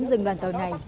dừng đoàn tàu này